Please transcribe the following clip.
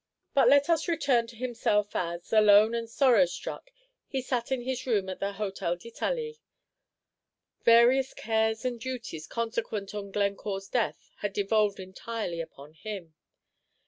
But let us return to himself as, alone and sorrow struck, he sat in his room of the Hôtel d'Italie. Various cares and duties consequent on Glencore's death had devolved entirely upon him.